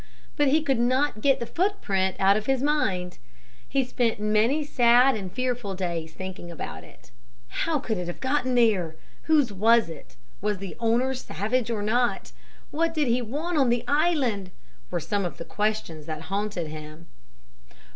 But he could not get the footprint out of his mind. He spent many sad and fearful days thinking about it. "How could it have gotten there? Whose was it? Was the owner savage or not? What did he want on the island?" were some of the questions that haunted him.